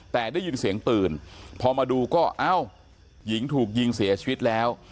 แต่ได้ยินเสียงปืนพอมาดูก็เอ้าหญิงถูกยิงเสียชีวิตแล้ว